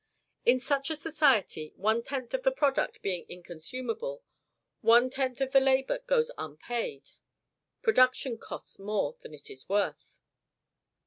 In such a society, one tenth of the product being inconsumable, one tenth of the labor goes unpaid production costs more than it is worth.